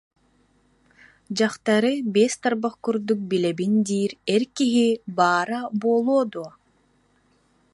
Дьахтары биэс тарбах курдук билэбин диир эр киһи баара буолуо дуо